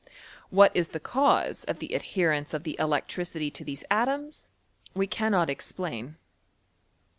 What is the cause of the adherence of the electricity to these atoms we cannot explain.